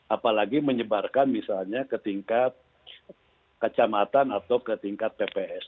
apalagi menyebarkan misalnya ke tingkat kecamatan atau ke tingkat tps